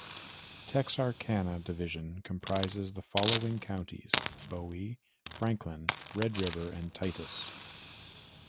Texarkana Division comprises the following counties: Bowie, Franklin, Red River, and Titus.